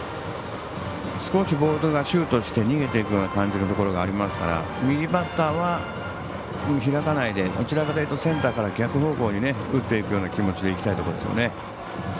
少しボールがシュートして逃げていくような感じのところがありますから右バッターは開かないでどちらかというとセンターから逆方向に打っていく気持ちでいきたいところですね。